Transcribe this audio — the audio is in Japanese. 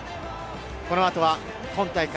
このあとは、今大会